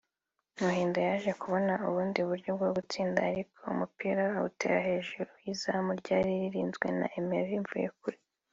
Muhindo yaje kubona ubundi buryo bwo gutsinda ariko umupira awutera hejuru y’izamu ryari ririnzwe na Emery Mvuyekure